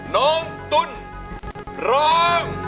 น้องตุ้นร้อง